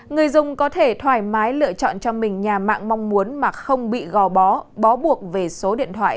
người dùng có thể thoải mái lựa chọn cho mình nhà mạng mong muốn mà không bị gò bó buộc về số điện thoại